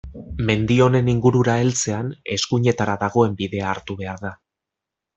Mendi honen ingurura heltzean, eskuinetara dagoen bidea hartu behar da.